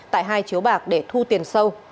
tại hai chiếu bạc để thu tiền sâu